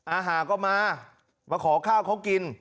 อาหารก็มามาขอข้าวเขากิน